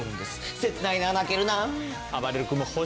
切ないな泣けるな。